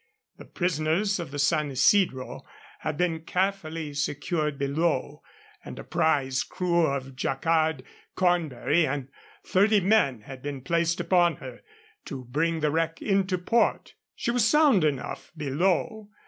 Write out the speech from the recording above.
The prisoners of the San Isidro had been carefully secured below and a prize crew of Jacquard, Cornbury, and thirty men had been placed upon her to bring the wreck into port. She was sound enough below.